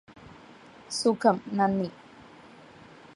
സുഖം നന്ദി